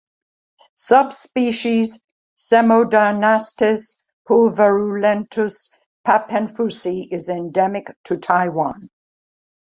Subspecies "Psammodynastes pulverulentus papenfussi" is endemic to Taiwan.